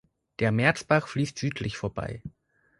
Der Merzbach fließt südlich vorbei.